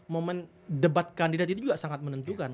momen debat kandidat itu juga sangat menentukan